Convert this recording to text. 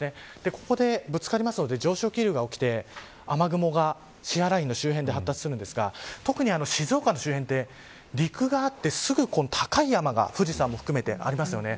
ここでぶつかるので上昇気流が起きて雨雲がシアーラインの周辺で発達するんですが特に静岡の周辺って陸があってすぐ高い山が富士山も含めて、ありますよね。